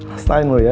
pastain lo ya